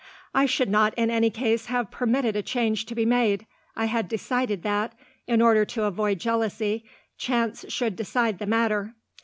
"I should not, in any case, have permitted a change to be made. I had decided that, in order to avoid jealousy, chance should decide the matter.